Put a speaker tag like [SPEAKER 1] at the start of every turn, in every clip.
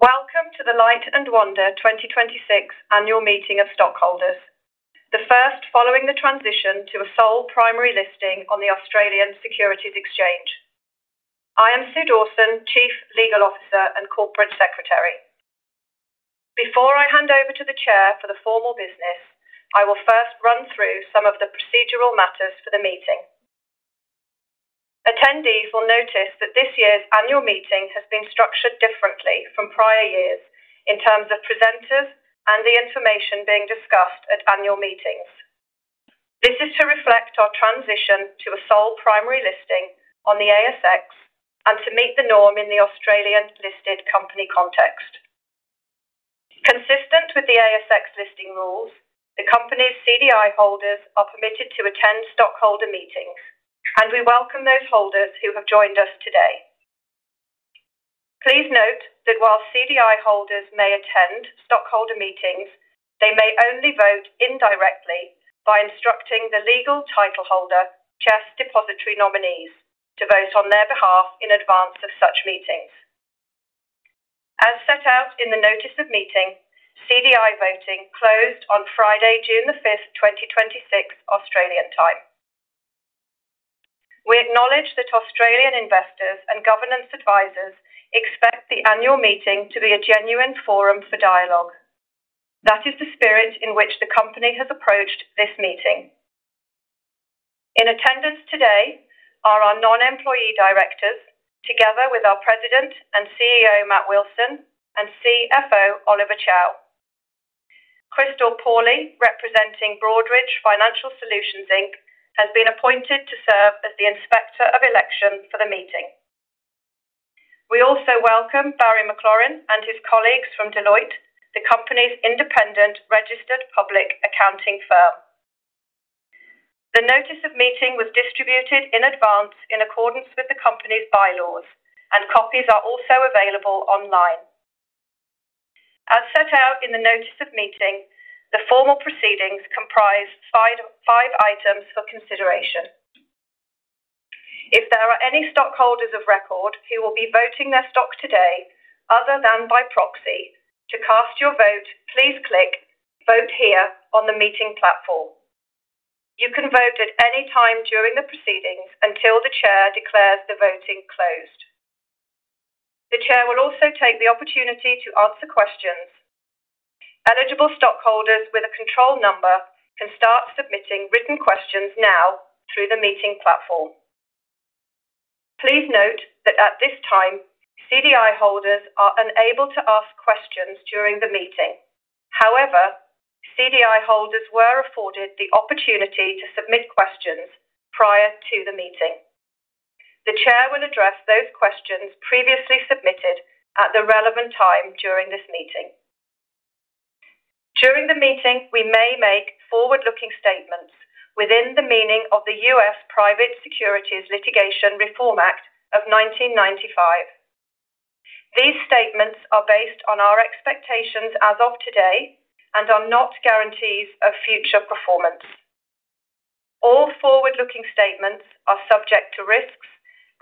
[SPEAKER 1] Welcome to the Light & Wonder 2026 Annual Meeting of Stockholders, the first following the transition to a sole primary listing on the Australian Securities Exchange. I am Sue Dawson, Chief Legal Officer and Corporate Secretary. Before I hand over to the Chair for the formal business, I will first run through some of the procedural matters for the meeting. Attendees will notice that this year's annual meeting has been structured differently from prior years in terms of presenters and the information being discussed at annual meetings. This is to reflect our transition to a sole primary listing on the ASX and to meet the norm in the Australian-listed company context. Consistent with the ASX listing rules, the company's CDI holders are permitted to attend stockholder meetings, and we welcome those holders who have joined us today. Please note that while CDI holders may attend stockholder meetings, they may only vote indirectly by instructing the legal title holder, CHESS Depositary Nominees, to vote on their behalf in advance of such meetings. As set out in the notice of meeting, CDI voting closed on Friday, June 5th, 2026, Australian time. We acknowledge that Australian investors and governance advisors expect the annual meeting to be a genuine forum for dialogue. That is the spirit in which the company has approached this meeting. In attendance today are our non-employee directors, together with our President and CEO, Matt Wilson, and CFO, Oliver Chow. Crystal Pawley, representing Broadridge Financial Solutions, Inc., has been appointed to serve as the Inspector of Election for the meeting. We also welcome Barry MacLaurin and his colleagues from Deloitte, the company's independent registered public accounting firm. The notice of meeting was distributed in advance in accordance with the company's bylaws, and copies are also available online. As set out in the notice of meeting, the formal proceedings comprise five items for consideration. If there are any stockholders of record who will be voting their stock today other than by proxy, to cast your vote, please click "Vote Here" on the meeting platform. You can vote at any time during the proceedings until the Chair declares the voting closed. The Chair will also take the opportunity to answer questions. Eligible stockholders with a control number can start submitting written questions now through the meeting platform. Please note that at this time, CDI holders are unable to ask questions during the meeting. However, CDI holders were afforded the opportunity to submit questions prior to the meeting. The Chair will address those questions previously submitted at the relevant time during this meeting. During the meeting, we may make forward-looking statements within the meaning of the U.S. Private Securities Litigation Reform Act of 1995. These statements are based on our expectations as of today and are not guarantees of future performance. All forward-looking statements are subject to risks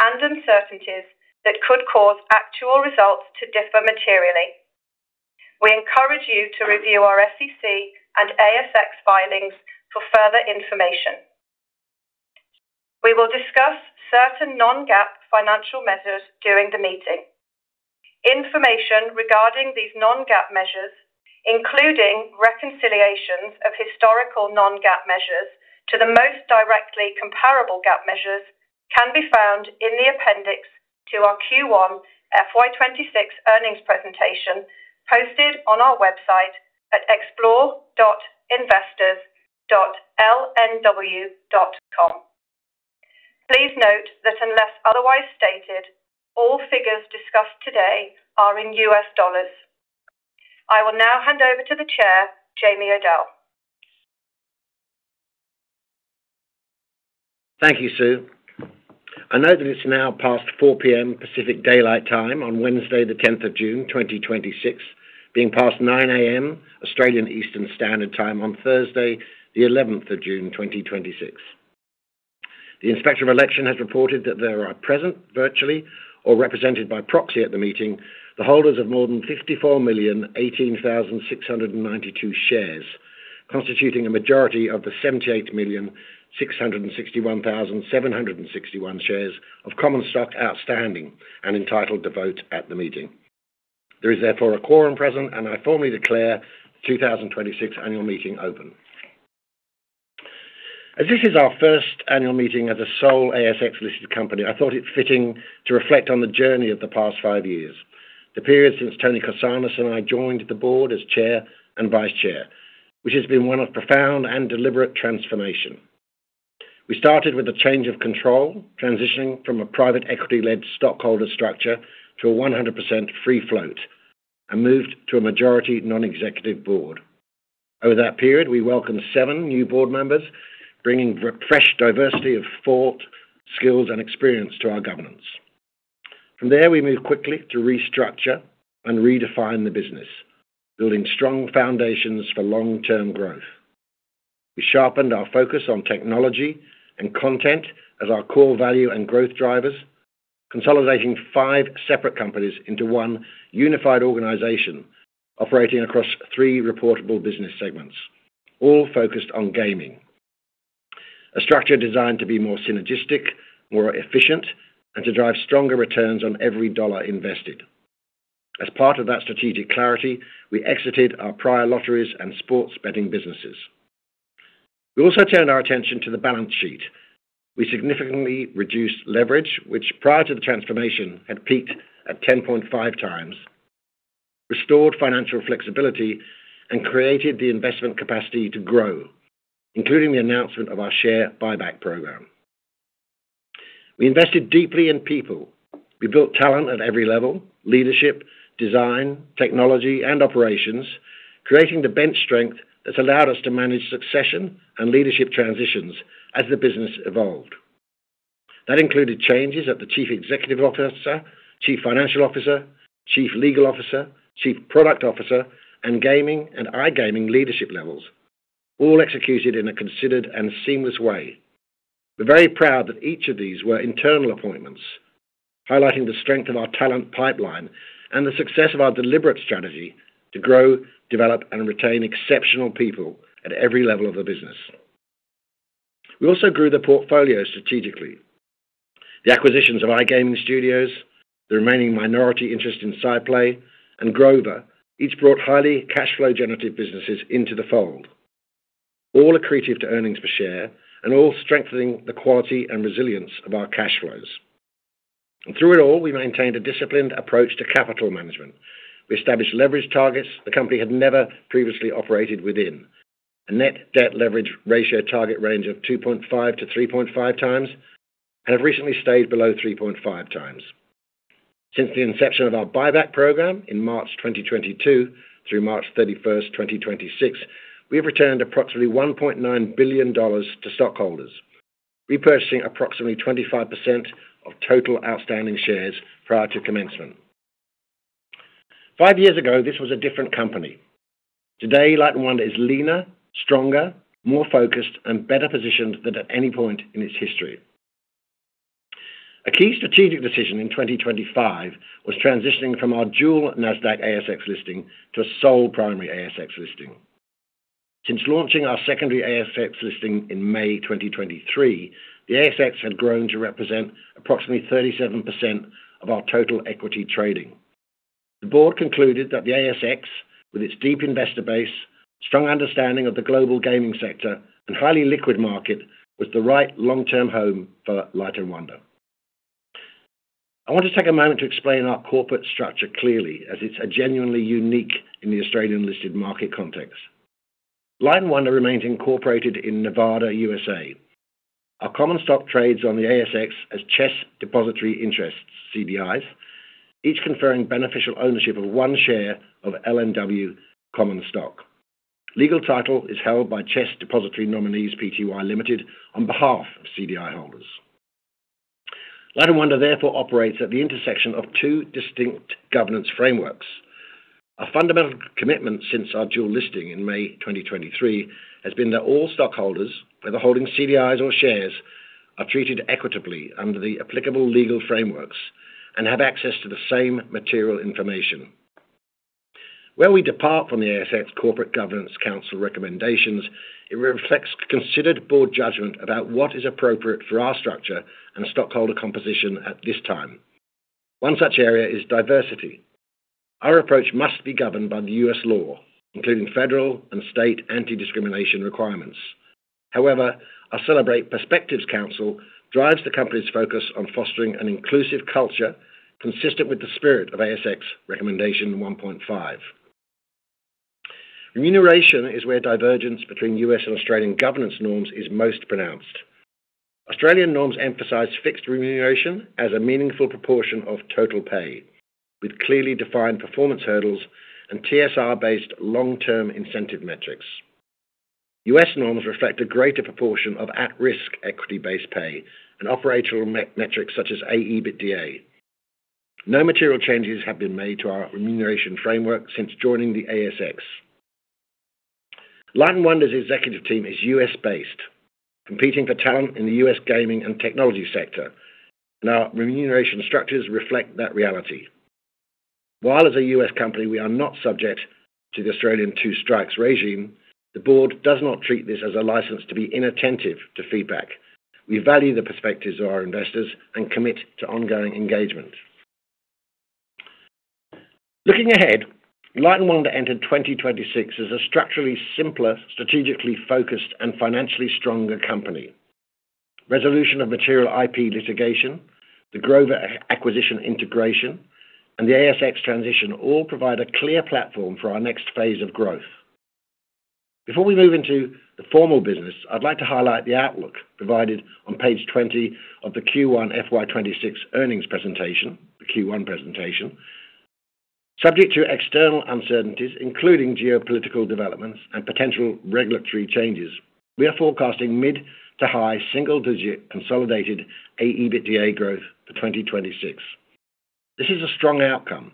[SPEAKER 1] and uncertainties that could cause actual results to differ materially. We encourage you to review our SEC and ASX filings for further information. We will discuss certain non-GAAP financial measures during the meeting. Information regarding these non-GAAP measures, including reconciliations of historical non-GAAP measures to the most directly comparable GAAP measures, can be found in the appendix to our Q1 FY 2026 earnings presentation posted on our website at explore.investors.lnw.com. Please note that unless otherwise stated, all figures discussed today are in US dollars. I will now hand over to the Chair, Jamie Odell.
[SPEAKER 2] Thank you, Sue. I note that it's now past 4:00 P.M. Pacific Daylight Time on Wednesday, the of June 10th, 2026, being past 9:00 A.M. Australian Eastern Standard Time on Thursday, the 11th of June, 2026. The inspector of election has reported that there are present virtually or represented by proxy at the meeting the holders of more than 54,018,692 shares, constituting a majority of the 78,661,761 shares of common stock outstanding and entitled to vote at the meeting. There is therefore a quorum present, and I formally declare the 2026 annual meeting open. As this is our first annual meeting as a sole ASX-listed company, I thought it fitting to reflect on the journey of the past five years, the period since Toni Korsanos and I joined the board as chair and vice-chair, which has been one of profound and deliberate transformation. We started with a change of control, transitioning from a private equity-led stockholder structure to a 100% free float and moved to a majority non-executive board. Over that period, we welcomed seven new board members, bringing fresh diversity of thought, skills, and experience to our governance. From there, we moved quickly to restructure and redefine the business, building strong foundations for long-term growth. We sharpened our focus on technology and content as our core value and growth drivers, consolidating five separate companies into one unified organization operating across three reportable business segments, all focused on gaming. A structure designed to be more synergistic, more efficient, and to drive stronger returns on every dollar invested. As part of that strategic clarity, we exited our prior lotteries and sports betting businesses. We also turned our attention to the balance sheet. We significantly reduced leverage, which prior to the transformation had peaked at 10.5x, restored financial flexibility, and created the investment capacity to grow, including the announcement of our share buyback program. We invested deeply in people. We built talent at every level: leadership, design, technology, and operations, creating the bench strength that's allowed us to manage succession and leadership transitions as the business evolved. That included changes at the Chief Executive Officer, Chief Financial Officer, Chief Legal Officer, Chief Product Officer, and gaming and iGaming leadership levels, all executed in a considered and seamless way. We're very proud that each of these were internal appointments, highlighting the strength of our talent pipeline and the success of our deliberate strategy to grow, develop, and retain exceptional people at every level of the business. We also grew the portfolio strategically. The acquisitions of iGaming studios, the remaining minority interest in SciPlay, and Grover each brought highly cash flow generative businesses into the fold, all accretive to earnings per share, and all strengthening the quality and resilience of our cash flows. Through it all, we maintained a disciplined approach to capital management. We established leverage targets the company had never previously operated within. A net debt leverage ratio target range of 2.5x-3.5x, and have recently stayed below 3.5x. Since the inception of our buyback program in March 2022 through March 31st, 2026, we have returned approximately $1.9 billion to stockholders, repurchasing approximately 25% of total outstanding shares prior to commencement. Five years ago, this was a different company. Today, Light & Wonder is leaner, stronger, more focused, and better positioned than at any point in its history. A key strategic decision in 2025 was transitioning from our dual Nasdaq ASX listing to a sole primary ASX listing. Since launching our secondary ASX listing in May 2023, the ASX had grown to represent approximately 37% of our total equity trading. The board concluded that the ASX, with its deep investor base, strong understanding of the global gaming sector, and highly liquid market, was the right long-term home for Light & Wonder. I want to take a moment to explain our corporate structure clearly as it's genuinely unique in the Australian listed market context. Light & Wonder remains incorporated in Nevada, U.S.A. Our common stock trades on the ASX as CHESS Depositary Interests, CDIs, each conferring beneficial ownership of one share of LNW common stock. Legal title is held by CHESS Depositary Nominees Pty Limited on behalf of CDI holders. Light & Wonder therefore operates at the intersection of two distinct governance frameworks. A fundamental commitment since our dual listing in May 2023 has been that all stockholders, whether holding CDIs or shares, are treated equitably under the applicable legal frameworks and have access to the same material information. Where we depart from the ASX Corporate Governance Council recommendations, it reflects considered board judgment about what is appropriate for our structure and stockholder composition at this time. One such area is diversity. Our approach must be governed by the U.S. law, including federal and state anti-discrimination requirements. However, our Celebrate Perspectives Council drives the company's focus on fostering an inclusive culture consistent with the spirit of ASX Recommendation 1.5. Remuneration is where divergence between U.S. and Australian governance norms is most pronounced. Australian norms emphasize fixed remuneration as a meaningful proportion of total pay, with clearly defined performance hurdles and TSR-based long-term incentive metrics. U.S. norms reflect a greater proportion of at-risk equity-based pay and operational metrics such as AEBITDA. No material changes have been made to our remuneration framework since joining the ASX. Light & Wonder's executive team is U.S.-based, competing for talent in the U.S. gaming and technology sector, and our remuneration structures reflect that reality. While as a U.S. company, we are not subject to the Australian two-strikes regime, the board does not treat this as a license to be inattentive to feedback. We value the perspectives of our investors and commit to ongoing engagement. Looking ahead, Light & Wonder entered 2026 as a structurally simpler, strategically focused, and financially stronger company. Resolution of material IP litigation, the Grover acquisition integration, and the ASX transition all provide a clear platform for our next phase of growth. Before we move into the formal business, I'd like to highlight the outlook provided on page 20 of the Q1 FY 2026 earnings presentation, the Q1 presentation. Subject to external uncertainties, including geopolitical developments and potential regulatory changes, we are forecasting mid to high single-digit consolidated AEBITDA growth for 2026. This is a strong outcome,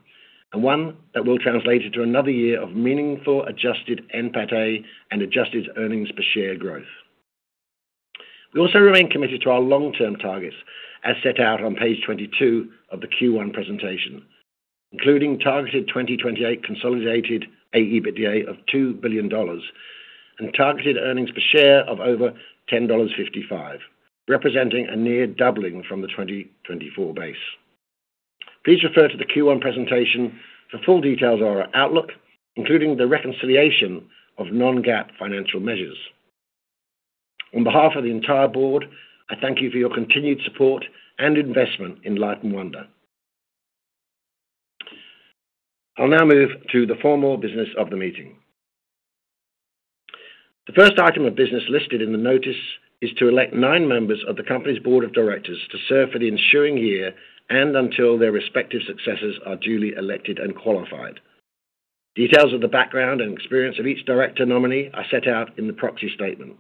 [SPEAKER 2] and one that will translate into another year of meaningful adjusted NPAT and adjusted earnings per share growth. We also remain committed to our long-term targets, as set out on page 22 of the Q1 presentation, including targeted 2028 consolidated AEBITDA of $2 billion and targeted earnings per share of over $10.55, representing a near doubling from the 2024 base. Please refer to the Q1 presentation for full details of our outlook, including the reconciliation of non-GAAP financial measures. On behalf of the entire board, I thank you for your continued support and investment in Light & Wonder. I'll now move to the formal business of the meeting. The first item of business listed in the notice is to elect nine members of the company's board of directors to serve for the ensuing year and until their respective successors are duly elected and qualified. Details of the background and experience of each director nominee are set out in the proxy statement.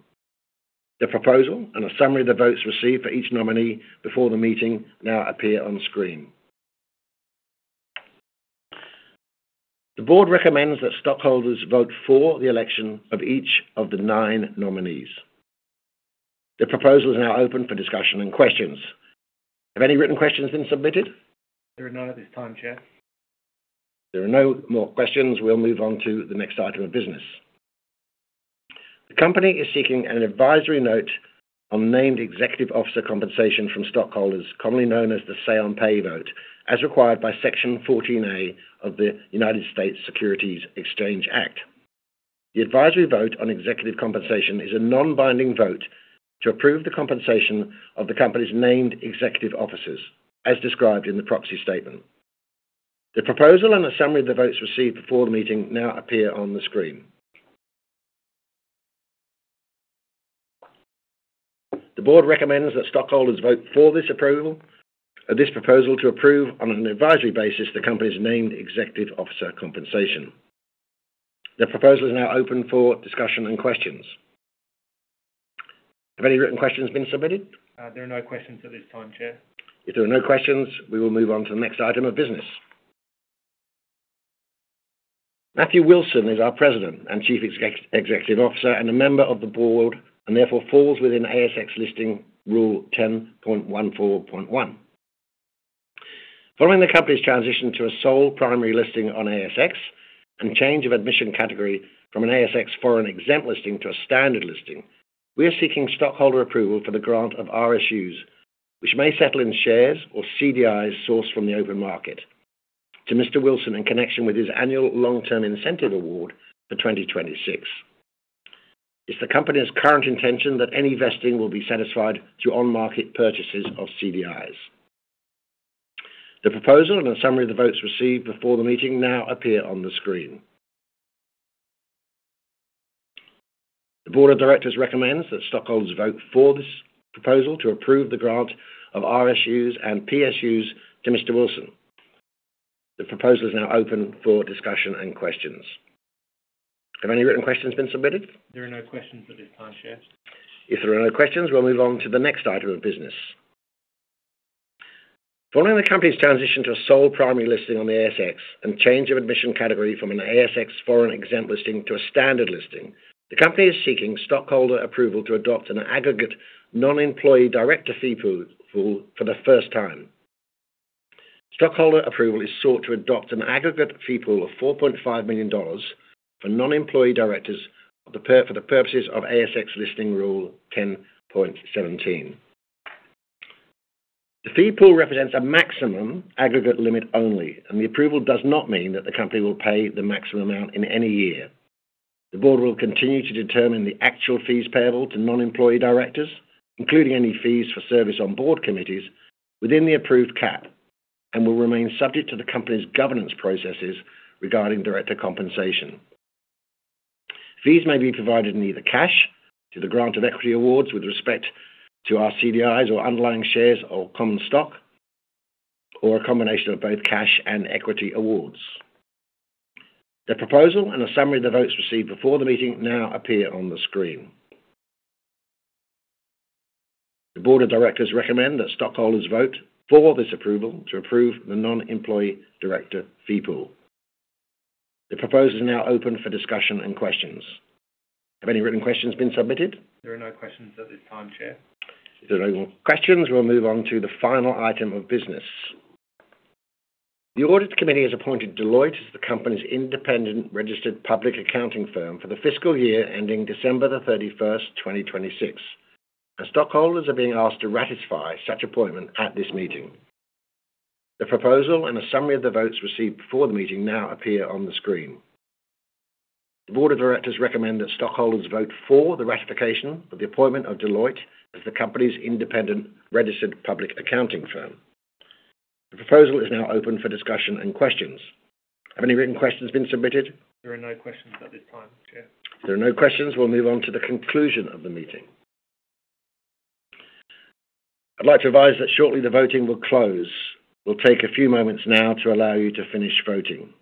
[SPEAKER 2] The proposal and a summary of the votes received for each nominee before the meeting now appear on screen. The board recommends that stockholders vote for the election of each of the nine nominees. The proposal is now open for discussion and questions. Have any written questions been submitted?
[SPEAKER 3] There are none at this time, Chair.
[SPEAKER 2] If there are no more questions, we'll move on to the next item of business. The company is seeking an advisory note on named executive officer compensation from stockholders, commonly known as the Say on Pay vote, as required by Section 14 of the United States Securities Exchange Act. The advisory vote on executive compensation is a non-binding vote to approve the compensation of the company's named executive officers, as described in the proxy statement. The proposal and a summary of the votes received before the meeting now appear on the screen. The board recommends that stockholders vote for this proposal to approve, on an advisory basis, the company's named executive officer compensation. The proposal is now open for discussion and questions. Have any written questions been submitted?
[SPEAKER 3] There are no questions at this time, Chair.
[SPEAKER 2] If there are no questions, we will move on to the next item of business. Matthew Wilson is our President and Chief Executive Officer and a member of the board, therefore falls within ASX Listing Rule 10.14.1. Following the company's transition to a sole primary listing on ASX and change of admission category from an ASX foreign exempt listing to a standard listing, we are seeking stockholder approval for the grant of RSUs, which may settle in shares or CDIs sourced from the open market, to Mr. Wilson in connection with his annual long-term incentive award for 2026. It's the company's current intention that any vesting will be satisfied through on-market purchases of CDIs. The proposal and a summary of the votes received before the meeting now appear on the screen. The board of directors recommends that stockholders vote for this proposal to approve the grant of RSUs and PSUs to Mr. Wilson. The proposal is now open for discussion and questions. Have any written questions been submitted?
[SPEAKER 3] There are no questions at this time, Chair.
[SPEAKER 2] If there are no questions, we'll move on to the next item of business. Following the company's transition to a sole primary listing on the ASX and change of admission category from an ASX foreign exempt listing to a standard listing, the company is seeking stockholder approval to adopt an aggregate non-employee director fee pool for the first time. Stockholder approval is sought to adopt an aggregate fee pool of $4.5 million for non-employee directors for the purposes of ASX Listing Rule 10.17. The fee pool represents a maximum aggregate limit only, the approval does not mean that the company will pay the maximum amount in any year. The board will continue to determine the actual fees payable to non-employee directors, including any fees for service on board committees, within the approved cap, and will remain subject to the company's governance processes regarding director compensation. Fees may be provided in either cash, to the grant of equity awards with respect to our CDIs or underlying shares of common stock, or a combination of both cash and equity awards. The proposal and a summary of the votes received before the meeting now appear on the screen. The board of directors recommend that stockholders vote for this approval to approve the non-employee director fee pool. The proposal is now open for discussion and questions. Have any written questions been submitted?
[SPEAKER 3] There are no questions at this time, Chair.
[SPEAKER 2] If there are no more questions, we'll move on to the final item of business. The audit committee has appointed Deloitte as the company's independent registered public accounting firm for the fiscal year ending the December 31st, 2026, stockholders are being asked to ratify such appointment at this meeting. The proposal and a summary of the votes received before the meeting now appear on the screen. The board of directors recommend that stockholders vote for the ratification of the appointment of Deloitte as the company's independent registered public accounting firm. The proposal is now open for discussion and questions. Have any written questions been submitted?
[SPEAKER 3] There are no questions at this time, Chair.
[SPEAKER 2] If there are no questions, we'll move on to the conclusion of the meeting. I'd like to advise that shortly the voting will close. We'll take a few moments now to allow you to finish voting.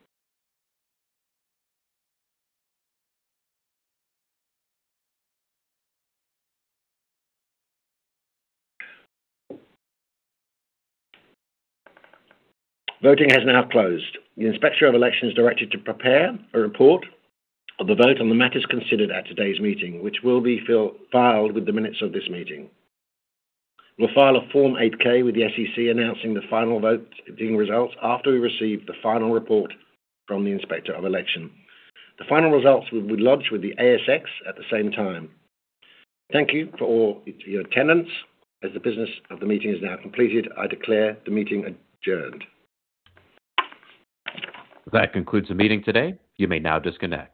[SPEAKER 2] Voting has now closed. The Inspector of Election is directed to prepare a report of the vote on the matters considered at today's meeting, which will be filed with the minutes of this meeting. We'll file a Form 8-K with the SEC announcing the final voting results after we receive the final report from the Inspector of Election. The final results will be lodged with the ASX at the same time. Thank you for all your attendance. As the business of the meeting is now completed, I declare the meeting adjourned.
[SPEAKER 3] That concludes the meeting today. You may now disconnect.